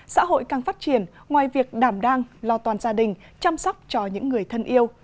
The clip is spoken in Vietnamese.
xã hội càng phát triển ngoài việc đảm đang lo toàn gia đình chăm sóc cho những người thân yêu